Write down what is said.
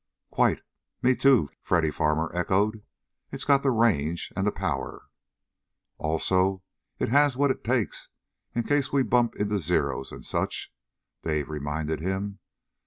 "Quite; me, too!" Freddy Farmer echoed. "It's got the range, and the power." "Also, it has the what it takes, in case we bump into Zeros and such," Dave reminded him.